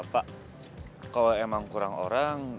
pak kalau emang kurang orang